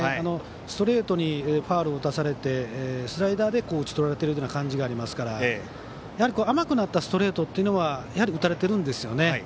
ストレートにファウルを打たされてスライダーで打ち取られている感じがありますからやはり甘くなったストレートは打たれているんですよね。